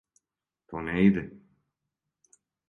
То не иде!